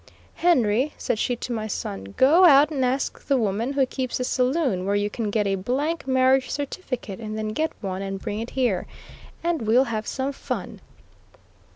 "Henry," said she to my son; "Go out and ask the woman who keeps the saloon where you can get a blank marriage certificate, and then get one and bring it here, and we'll have some fun."